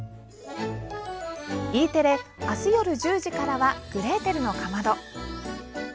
Ｅテレ、あす夜１０時からは「グレーテルのかまど」。